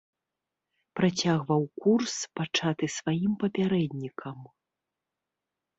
Працягваў курс, пачаты сваім папярэднікам.